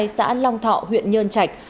xã long thọ huyện nhơn trạch